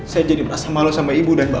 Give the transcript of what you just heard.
saya jadi merasa malu sama ibu dan bapak